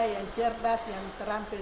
yang cerdas yang terampil